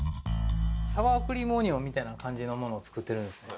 サワークリームオニオンみたいな感じのものを作ってるんですね